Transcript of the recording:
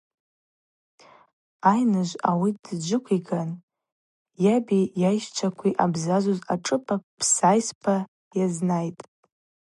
Айныжв ауи дджвыквиган йаби йайщчвакви ъабзазуз ашӏыпӏа псайспа йазнайтӏ.